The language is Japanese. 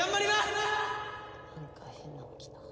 なんか変なの来た。